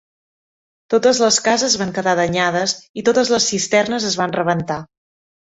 Totes les cases van quedar danyades i totes les cisternes es van rebentar.